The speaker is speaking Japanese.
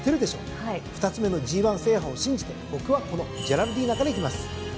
２つ目のＧⅠ制覇を信じて僕はこのジェラルディーナからいきます。